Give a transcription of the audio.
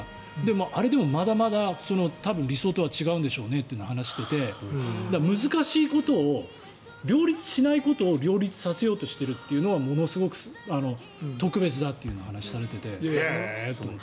あれでもまだまだ多分理想とは違うんでしょうねと話していて難しいことを両立しないことを両立させようとしているというのがものすごく特別だという話をされていて、へーっと思って。